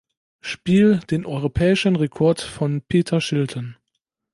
Spiel den europäischen Rekord von Peter Shilton.